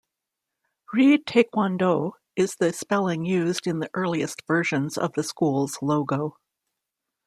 "Rhee Taekwon-Do" is the spelling used in the earliest versions of the school's logo.